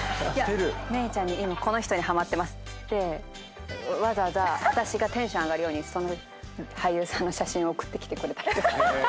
芽郁ちゃんに今この人にハマってますっつってわざわざ私がテンション上がるようにその俳優さんの写真送ってきてくれたりとか。